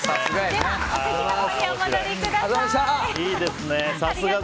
では、お席にお戻りください。